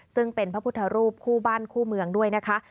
ซึ่งเป็นพระพุทธรูปคู่บ้านคู่เมืองด้วยนะคะ